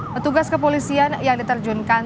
petugas kepolisian yang diterjunkan